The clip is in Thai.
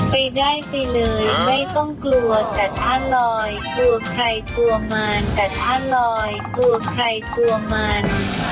ไปได้ไปเลยไม่ต้องกลัวแต่ถ้าลอยกลัวใครตัวมัน